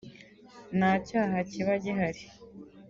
nta cyaha kiba gihari